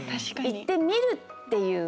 行ってみるっていう。